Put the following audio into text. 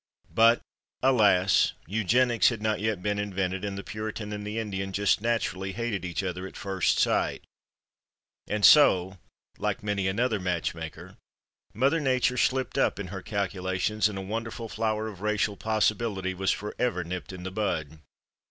But alas, Eugenics had not yet been invented and the Puritan and the Indian just naturally hated each other at first sight and so (like many another match maker) Mother Nature slipped up in her calculations, and a wonderful flower of racial possibility was forever nipped in the bud.